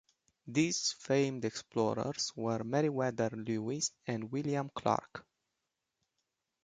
These famed explorers were Meriwether Lewis and William Clark.